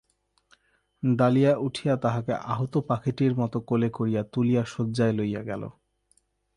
দালিয়া উঠিয়া তাহাকে আহত পাখিটির মতো কোলে করিয়া তুলিয়া শয্যায় লইয়া গেল।